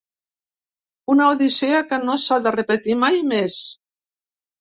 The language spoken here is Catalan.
Una odissea que no s’ha de repetir mai més